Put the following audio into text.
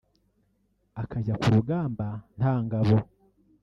akajya ku rugamba nta ngabo